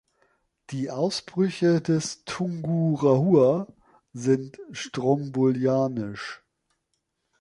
Die Ausbrüche des Tungurahua sind strombolianisch.